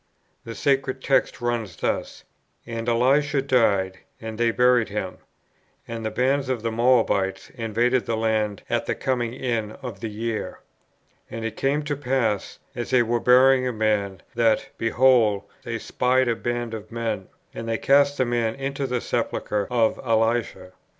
The sacred text runs thus: "And Elisha died, and they buried him. And the bands of the Moabites invaded the land at the coming in of the year. And it came to pass, as they were burying a man, that, behold, they spied a band of men; and they cast the man into the sepulchre of Elisha.